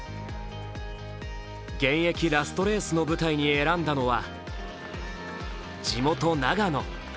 現役ラストレースの舞台に選んだのは地元・長野。